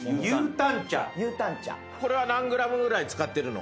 これは何ｇぐらい使ってるの？